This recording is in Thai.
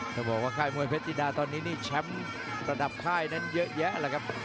ต้องบอกว่าค่ายมวยเพชรจิดาตอนนี้นี่แชมป์ระดับค่ายนั้นเยอะแยะเลยครับ